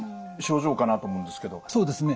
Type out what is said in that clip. そうですね。